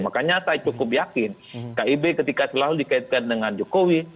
makanya saya cukup yakin kib ketika selalu dikaitkan dengan jokowi